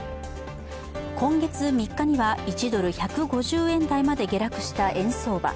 今月３日には１ドル＝１５０円台まで下落した円相場。